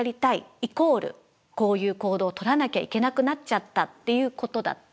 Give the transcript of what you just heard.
イコールこういう行動をとらなきゃいけなくなっちゃったっていうことだった。